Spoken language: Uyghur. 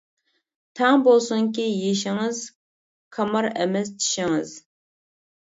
تەڭ بولسۇنكى يېشىڭىز، كامار ئەمەس چىشىڭىز!